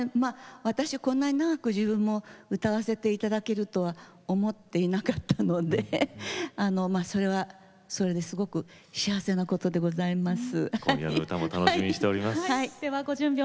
私、こんなに長く自分も歌わせていただけるとは思っていなかったのでそれはそれですごく幸せなことでございます。